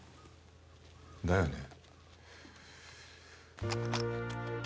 だよね。